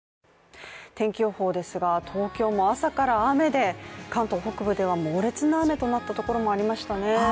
続く東京も朝から雨で関東北部では猛烈な雨となったところもありましたね。